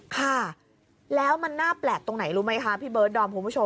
ค่ะแล้วมันน่าแปลกตรงไหนรู้ไหมคะพี่เบิร์ดดอมคุณผู้ชม